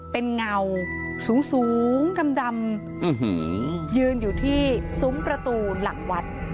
เป็นเงาสูงดำยืนอยู่ที่ซุ้มประตูหลังวัด